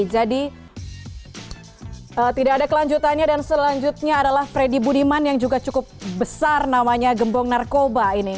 jadi tidak ada kelanjutannya dan selanjutnya adalah freddy budiman yang juga cukup besar namanya gembong narkoba ini